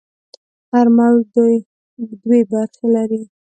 هر موج دوې برخې لري.